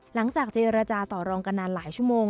หลังจากเจรจาต่อรองกันนานหลายชั่วโมง